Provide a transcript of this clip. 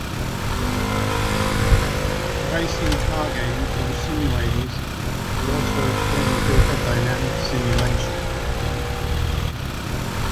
Racing car games or simulators are also a form of vehicle dynamics simulation.